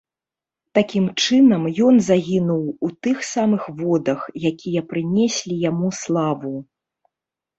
Такім чынам, ён загінуў у тых самых водах, якія прынеслі яму славу.